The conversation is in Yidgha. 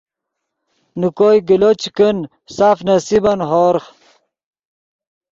نے کوئے گلو چے کن سف نصیبن ہورغ